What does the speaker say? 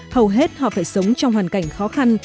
hầu hết họ phải sống trong hoàn cảnh khó khăn